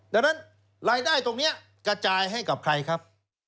ดังนั้นรายได้ตรงนี้กระจายให้กับใครครับ